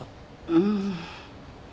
うん。